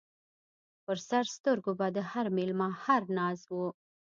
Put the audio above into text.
پر سر سترګو به د هر مېلمه هر ناز و